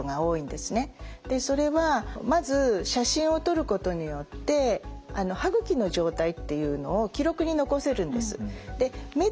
でそれはまず写真を撮ることによって歯ぐきの状態っていうのを記録に残せるんです。